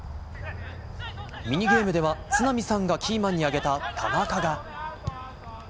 ミニゲームでは都並さんがキーマンに挙げた田中が。